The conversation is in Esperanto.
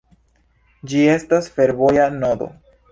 Ĝi estas fervoja nodo.